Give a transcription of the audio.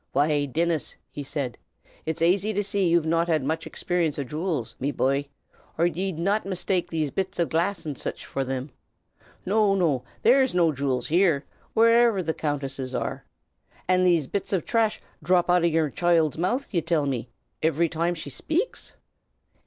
"Why, Dinnis," he said, "'tis aisy to see that ye've not had mich expeerunce o' jew'ls, me bye, or ye'd not mistake these bits o' glass an' sich fer thim. No! no! there's no jew'ls here, wheriver the Countess's are. An' these bits o' trash dhrop out o' the choild's mouth, ye till me, ivery toime she shpakes?"